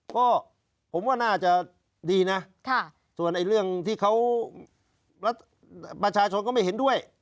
ก็ผมว่าน่าจะดีนะส่วนเรื่องที่เขาประชาชนก็ไม่เห็นด้วย